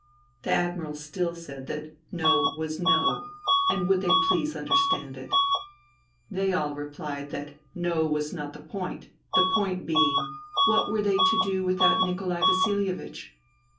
The Admiral still said that No was No, and would they please understand it ? They all replied that No was not the point, the point being : What were they to do without Nikolai Vasilievich